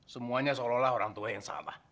semuanya seolah olah orang tua yang salah